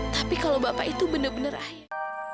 tapi kalau bapak itu bener bener ayah